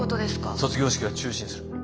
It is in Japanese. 卒業式は中止にする。